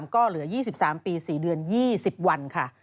ก็เหลือ๒๓ปี๔เดือน๒๐วันค่ะ